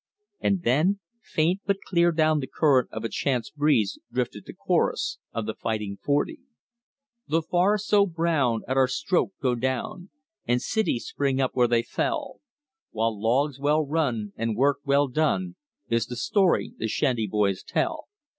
And then, faint but clear down the current of a chance breeze drifted the chorus of the Fighting Forty. "The forests so brown at our stroke go down, And cities spring up where they fell; While logs well run and work well done Is the story the shanty boys tell."